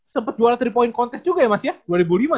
sempat jualan tiga point contest juga ya mas ya